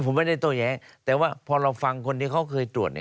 ผมไม่ได้โต้แย้งแต่ว่าพอเราฟังคนที่เขาเคยตรวจเนี่ย